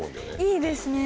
いいですねそれ。